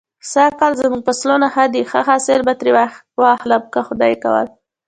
سږ کال زما فصلونه ښه دی. ښه حاصل به ترې واخلم که خدای کول.